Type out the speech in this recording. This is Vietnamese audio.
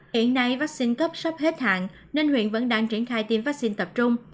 hiện nay vaccine cấp sắp hết hạn nên huyện vẫn đang triển khai tiêm vaccine tập trung